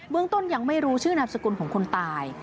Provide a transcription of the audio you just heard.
ต้นยังไม่รู้ชื่อนามสกุลของคนตาย